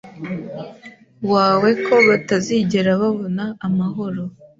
wawe ko batazigera babona amahoro